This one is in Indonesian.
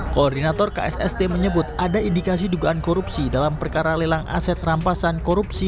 koordinator ksst menyebut ada indikasi dugaan korupsi dalam perkara lelang aset rampasan korupsi